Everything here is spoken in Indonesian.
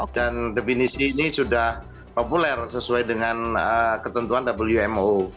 dan definisi ini sudah populer sesuai dengan ketentuan wmou